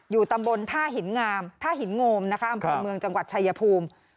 ตำบลท่าหินงามท่าหินโงมนะคะอำเภอเมืองจังหวัดชายภูมิ